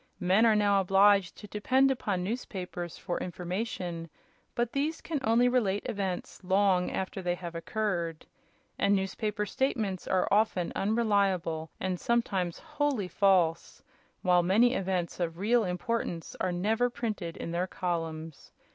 Men are now obliged to depend upon newspapers for information; but these can only relate events long after they have occurred. And newspaper statements are often unreliable and sometimes wholly false, while many events of real importance are never printed in their columns.